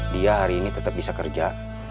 dia hari ini tetap bisa kerja